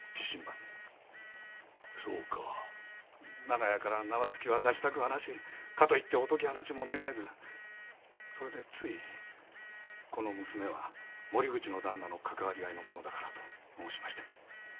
長屋から縄付きは出したくはなしかと言ってお解き放ちも願えずそれでつい「この娘は森口の旦那の関わり合いの者だから」と申しまして。